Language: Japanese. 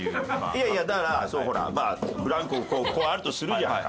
いやいやだからほらブランコをこうこうあるとするじゃんか。